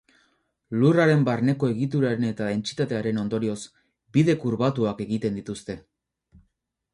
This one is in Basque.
Lurraren barneko egituraren eta dentsitatearen ondorioz, bide kurbatuak egiten dituzte.